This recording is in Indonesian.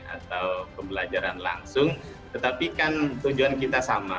atau pembelajaran langsung tetapi kan tujuan kita sama